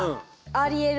ありえる。